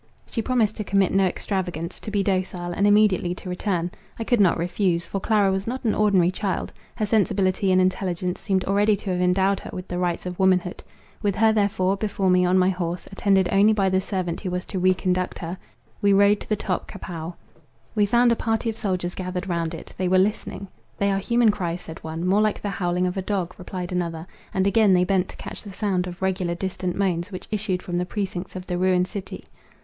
She promised to commit no extravagance, to be docile, and immediately to return. I could not refuse; for Clara was not an ordinary child; her sensibility and intelligence seemed already to have endowed her with the rights of womanhood. With her therefore, before me on my horse, attended only by the servant who was to re conduct her, we rode to the Top Kapou. We found a party of soldiers gathered round it. They were listening. "They are human cries," said one: "More like the howling of a dog," replied another; and again they bent to catch the sound of regular distant moans, which issued from the precincts of the ruined city.